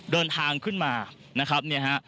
เดินทางขึ้นมานะครับเนี่ยฮะ